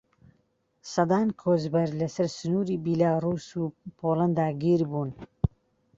سەدان کۆچبەر لەسەر سنووری بیلاڕووس و پۆلەندا گیر بوون.